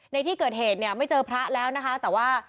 ในที่เกิดเหตุเนี่ยไม่เจอพระแล้วนะคะแต่ว่า